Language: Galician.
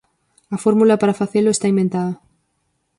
A fórmula para facelo está inventada.